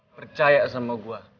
percaya sama gue